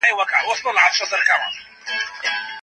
د بيلګي په توګه د بل واده کولو مصارف د خاوند پر غاړه دي.